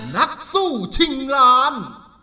นักสู้ชิงล้าน